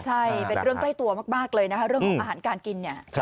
ใช่เป็นเรื่องใต้ตัวมากเลยนะเรื่องอาหารการกิน